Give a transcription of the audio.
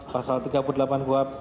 pasal tiga puluh sembilan kuhab